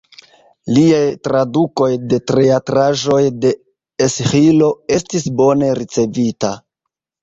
Liaj tradukoj de teatraĵoj de Esĥilo estis bone ricevita.